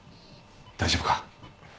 大丈夫か？